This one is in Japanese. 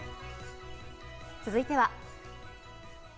続いては。